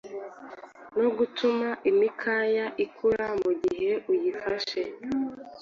no gutuma imikaya ikura mu gihe uyifashe